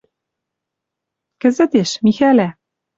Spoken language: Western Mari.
Кӹзӹтеш, Михӓлӓ...